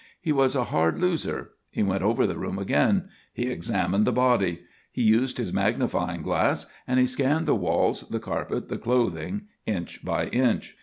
He was a hard loser. He went over the room again; he examined the body; he used his magnifying glass and he scanned the walls, the carpet, the clothing, inch by inch.